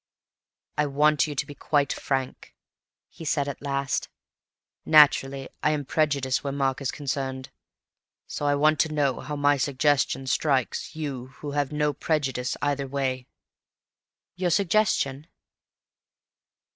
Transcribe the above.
"I want you to be quite frank," he said at last. "Naturally I am prejudiced where Mark is concerned. So I want to know how my suggestion strikes you—who have no prejudices either way." "Your suggestion?"